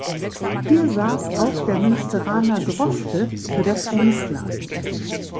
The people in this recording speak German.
Hier saß auch der Münsteraner Droste für das Emsland.